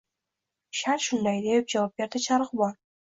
— Shart shunday, — deb javob berdi charog‘bon.